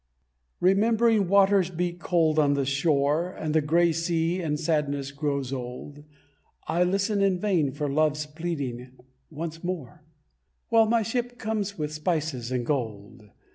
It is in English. Remembering waters beat cold on the shore, And the grey sea in sadness grows old; I listen in vain for Love's pleading once more, While my ship comes with spices and gold.